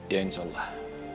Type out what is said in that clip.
ya insya allah